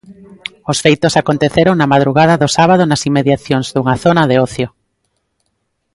Os feitos aconteceron na madrugada do sábado nas inmediacións dunha zona de ocio.